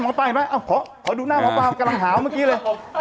หมอป้าเห็นไหมหมอป้าเห็นไหมขอดูหน้าหมอป้ากำลังหาวเมื่อกี้เลย